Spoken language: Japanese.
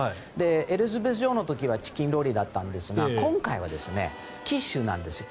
エリザベス女王の時はチキン料理だったんですが今回はキッシュなんです。